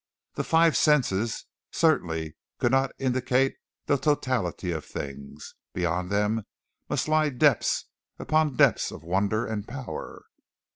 The five senses certainly could not indicate the totality of things; beyond them must lie depths upon depths of wonder and power.